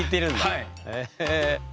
はい。